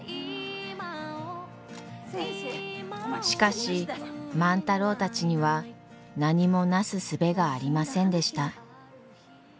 しかし万太郎たちには何もなすすべがありませんでした。